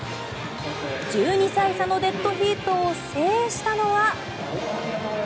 １２歳差のデッドヒートを制したのは。